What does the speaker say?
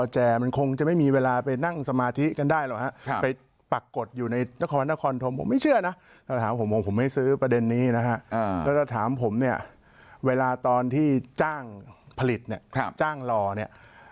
จ้างผลิตเนี่ยจ้างหล่อเนี่ย